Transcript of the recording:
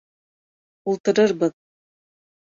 Ултырырбыҙ.